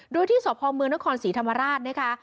โดยที่ทมนครศรีธรรมราชนะคะ